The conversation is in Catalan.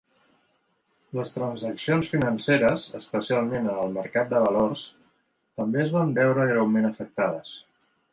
Les transaccions financeres, especialment en el mercat de valors, també es van veure greument afectades.